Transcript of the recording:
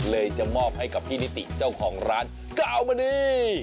จะมอบให้กับพี่นิติเจ้าของร้านกาวมณี